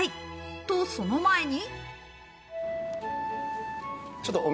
と、その前に。